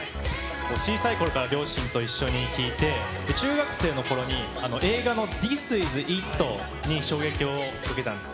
小さいころから両親と一緒に聴いて、中学生のころに映画のＴＨＩＳＩＳＩＴに、衝撃を受けたんです。